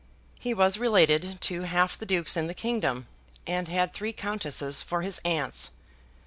He was related to half the dukes in the kingdom, and had three countesses for his aunts.